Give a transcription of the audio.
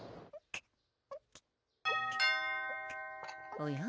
・・おや？